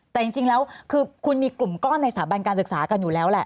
แต่จริงแล้วคือคุณมีกลุ่มก้อนในสถาบันการศึกษากันอยู่แล้วแหละ